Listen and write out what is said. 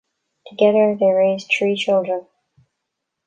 Together, they raised three children.